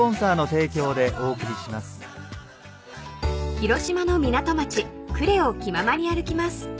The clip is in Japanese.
［広島の港町呉を気ままに歩きます］